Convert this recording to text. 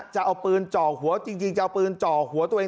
จะเอาปืนจ่อหัวจริงจะเอาปืนจ่อหัวตัวเอง